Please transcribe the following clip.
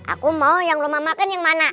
aku mau yang rumah makan yang mana